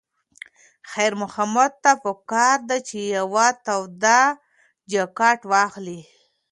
خیر محمد ته پکار ده چې یوه توده جاکټ واخلي.